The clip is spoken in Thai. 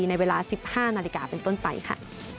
ในเวลา๑๕นาฬิกาเป็นต้นไปค่ะ